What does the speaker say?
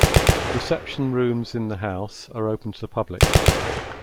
Reception rooms in the house are open to the public.